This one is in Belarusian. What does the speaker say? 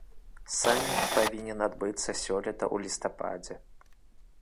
Саміт павінен адбыцца сёлета ў лістападзе.